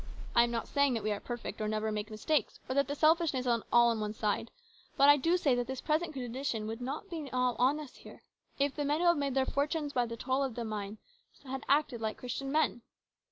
I am not saying that we are perfect, or never make mistakes, or that the selfishness is all on one side ; but I do say that this present condition would not now be on us here if the men who have made their fortunes by the toil of the miners had acted like Christian men.